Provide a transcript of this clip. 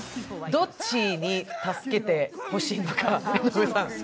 どっちに助けてほしいのか、江上さん。